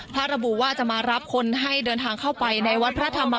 ระบุว่าจะมารับคนให้เดินทางเข้าไปในวัดพระธรรม